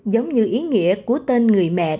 giống như ý nghĩa của tên người mẹ đặt cho em